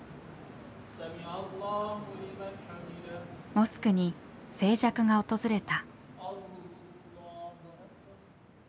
モスクに静寂が訪れた。